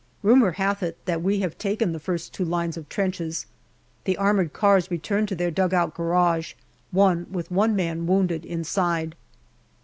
Rumour hath it that we have taken the first two lines of trenches. The armoured cars return to their dugout garage, one with one man wounded inside.